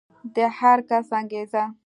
د هر کس انګېزه